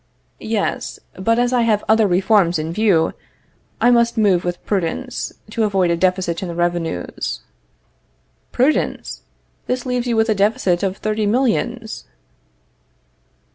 Yes; but as I have other reforms in view, I must move with prudence, to avoid a deficit in the revenues. Prudence? This leaves you with a deficit of thirty millions.